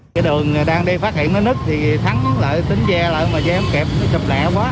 cái đường đang đi phát hiện nó nứt thì thắng lại tính dè lại mà dè không kẹp chập lẹ quá